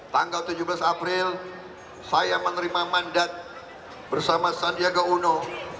tanggal tujuh belas april saya menerima mandat bersama sandiaga uno